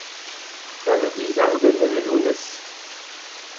Ur bizhardenn evel hounnezh.